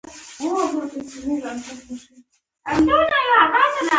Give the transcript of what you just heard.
ساقي وویل کیدای شي په همدې بوډاتوب کې دې احضار کړي.